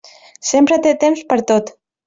Sempre té temps per a tot.